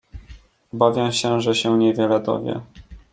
"Obawiam się, że się niewiele dowie."